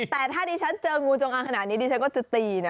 แต่ถ้าดิฉันเจองูจงอางขนาดนี้ดิฉันก็จะตีนะ